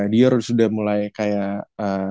dior sudah mulai kayak